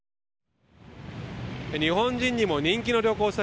日本人にも人気の旅行先